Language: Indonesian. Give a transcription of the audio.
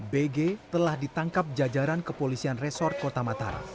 bg telah ditangkap jajaran kepolisian resor kota mataram